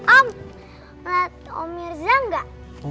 om mirza gak keliatan dah